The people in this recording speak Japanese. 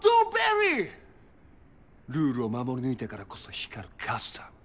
ルールを守り抜いたからこそ光るカスタム。